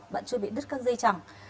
bạn chưa bị đứt các dây chẳng